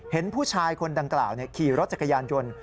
เห็นผู้ชายคนดังกล่าวขี่รถจักรยานยนต์